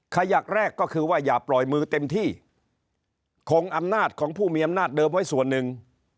ขยักแรกก็คือว่าอย่าปล่อยมือเต็มที่คงอำนาจของผู้มีอำนาจเดิมไว้ส่วนหนึ่ง